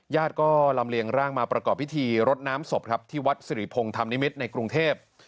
ญาติก็ลำเลียงร่างมาประกอบพิธีรดน้ำศพครับที่วัดสิริพงศ์ธรรมนิมิตรในกรุงเทพ